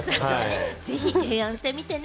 ぜひ提案してみてね。